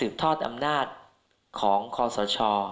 ทอดอำนาจของคอสช